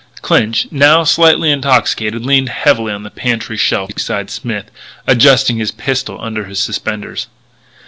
Clinch, now slightly intoxicated, leaned heavily on the pantry shelf beside Smith, adjusting his pistol under his suspenders.